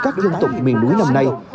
các dân tộc miền núi năm nay